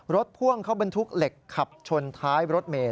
พ่วงเขาบรรทุกเหล็กขับชนท้ายรถเมย